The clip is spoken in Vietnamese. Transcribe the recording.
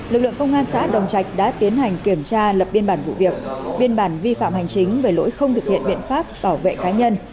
lực lượng công an xã đồng trạch đã tiến hành kiểm tra lập biên bản vụ việc biên bản vi phạm hành chính về lỗi không thực hiện biện pháp bảo vệ cá nhân